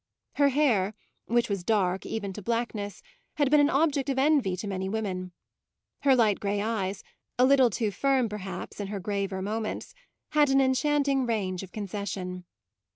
Her hair, which was dark even to blackness, had been an object of envy to many women; her light grey eyes, a little too firm perhaps in her graver moments, had an enchanting range of concession.